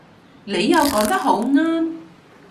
你又講得好啱